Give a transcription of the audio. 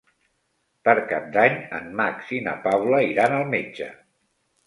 Per Cap d'Any en Max i na Paula iran al metge.